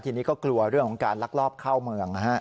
ทีนี้ก็กลัวเรื่องของการลักลอบเข้าเมืองนะฮะ